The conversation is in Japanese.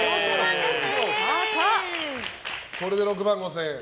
これで６万５０００円。